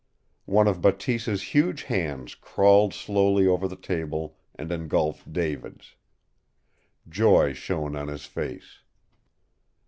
One of Bateese's huge hands crawled slowly over the table and engulfed David's. Joy shone on his face.